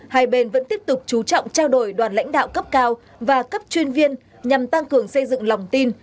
hai bên vẫn tiếp tục chú trọng trao đổi đoàn lãnh đạo cấp cao và cấp chuyên viên nhằm tăng cường xây dựng lòng tin